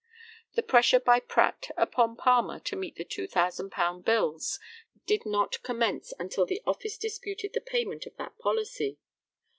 The pressure by Pratt upon Palmer to meet the £2,000 bills did not commence until the office disputed the payment of that policy.